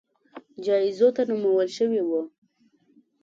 جایزو ته نومول شوي وو